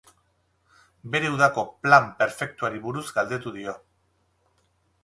Bere udako plan perfektuari buruz galdetu dio.